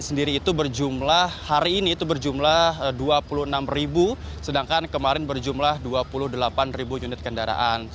sendiri itu berjumlah hari ini itu berjumlah dua puluh enam ribu sedangkan kemarin berjumlah dua puluh delapan unit kendaraan